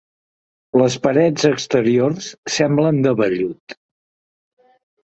Les parets exteriors semblen de vellut.